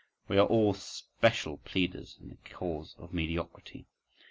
We are all special pleaders in the cause of mediocrity.